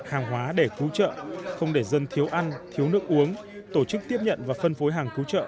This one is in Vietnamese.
hàng hóa để cứu trợ không để dân thiếu ăn thiếu nước uống tổ chức tiếp nhận và phân phối hàng cứu trợ